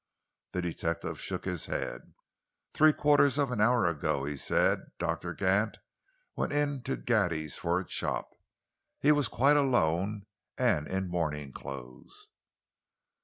The detective shook his head. "Three quarters of an hour ago," he said, "Doctor Gant went into Gatti's for a chop. He was quite alone and in morning clothes."